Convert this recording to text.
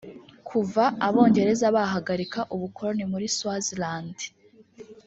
Kuva Abongereza bahagarika ubukoroni muri Swaziland